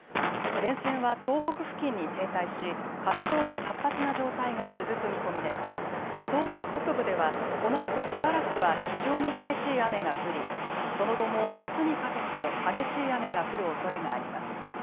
前線は東北付近に停滞し活動が活発な状態が続く見込みで東北北部ではこのあとしばらくは非常に激しい雨が降りその後もあすにかけて激しい雨が降るおそれがあります。